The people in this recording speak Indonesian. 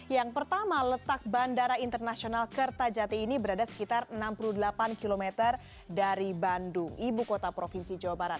yang pertama letak bandara internasional kertajati ini berada sekitar enam puluh delapan km dari bandung ibu kota provinsi jawa barat